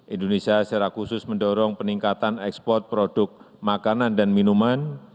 indonesia secara khusus mendorong peningkatan ekspor produk makanan dan minuman